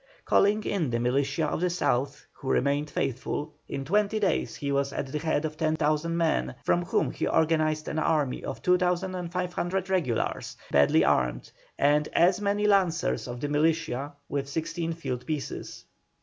Calling in the militia of the South, who remained faithful, in twenty days he was at the head of 10,000 men, from whom he organised an army of 2,500 regulars, badly armed, and as many lancers of the militia, with sixteen field pieces.